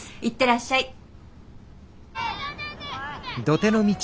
いってらっしゃい。